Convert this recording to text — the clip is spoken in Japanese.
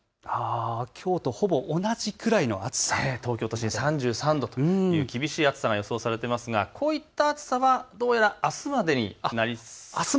きょうとほぼ同じぐらいの暑さ、東京都心３３度と厳しい暑さが予想されていますがこういった暑さはどうやらあすまでになりそうです。